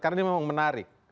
karena ini memang menarik